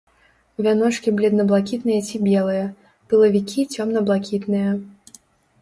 Вяночкі бледна-блакітныя ці белыя, пылавікі цёмна-блакітныя.